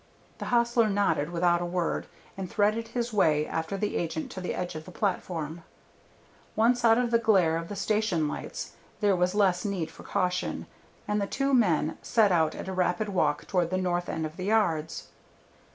The hostler nodded without a word, and threaded his way after the agent to the edge of the platform. Once out of the glare of the station lights there was less need for caution, and the two men set out at a rapid walk toward the north end of the yards.